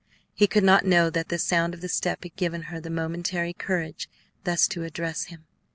He could not know that the sound of the step had given her the momentary courage thus to address him.